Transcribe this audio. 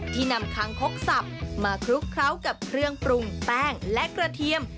นำคางคกสับมาคลุกเคล้ากับเครื่องปรุงแป้งและกระเทียม